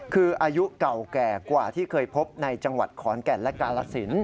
คืออายุเก่าแก่กว่าที่เคยพบในจังหวัดขอนแก่นและกาลสิน